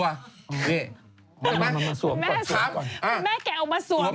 ใช่ค่ะแม่แกเอามาสวมเลย